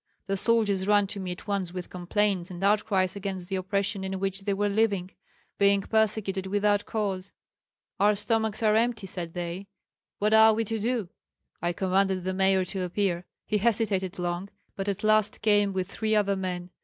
The soldiers ran to me at once with complaints and outcries against the oppression in which they were living, being persecuted without cause. 'Our stomachs are empty,' said they, 'what are we to do?' I commanded the mayor to appear. He hesitated long, but at last came with three other men.